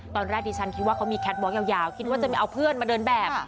ตอนแรกดิฉันคิดว่าเขามีแคทบล็อกยาวคิดว่าจะมีเอาเพื่อนมาเดินแบบ